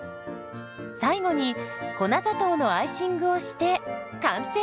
最後に粉砂糖のアイシングをして完成。